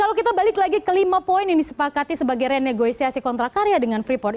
kalau kita balik lagi ke lima poin yang disepakati sebagai renegosiasi kontrak karya dengan freeport